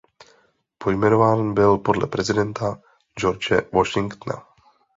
Pojmenován byl podle prezidenta George Washingtona.